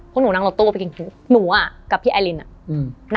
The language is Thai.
พวกหนูนั่งรถตู้ไปกินคู่หนูอ่ะกับพี่ไอลินอ่ะ